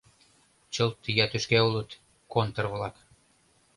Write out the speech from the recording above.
Чылт ия тӱшка улыт... контр-влак!